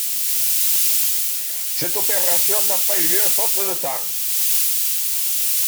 Cette opération n'a pas eu lieu faute de temps.